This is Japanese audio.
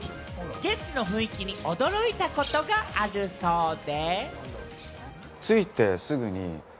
現地の雰囲気に驚いたことがあるそうで。